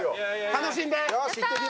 楽しんで！